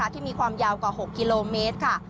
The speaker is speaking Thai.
ที่มีความยาวกว่า๖กิโลเมตรค่ะ